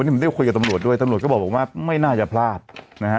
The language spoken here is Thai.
นี่ผมได้คุยกับตำรวจด้วยตำรวจก็บอกว่าไม่น่าจะพลาดนะฮะ